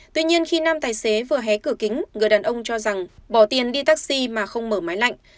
tuy nhiên khi nam tài xế vừa hé cửa kính người đàn ông cho rằng bỏ tiền đi taxi mà không mở máy lạnh